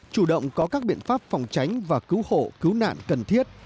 chủ động có các biện pháp phòng tránh và cứu hộ cứu nạn cần thiết